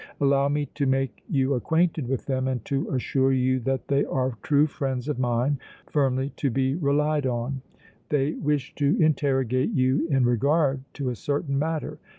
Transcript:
Allow me to make you acquainted with them and to assure you that they are true friends of mine, firmly to be relied on. They wish to interrogate you in regard to a certain matter.